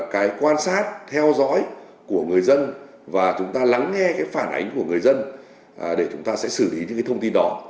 cái quan sát theo dõi của người dân và chúng ta lắng nghe cái phản ánh của người dân để chúng ta sẽ xử lý những cái thông tin đó